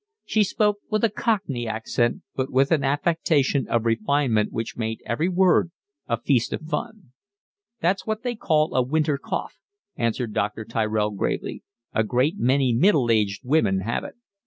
She spoke with a cockney accent, but with an affectation of refinement which made every word a feast of fun. "It's what they call a winter cough," answered Dr. Tyrell gravely. "A great many middle aged women have it."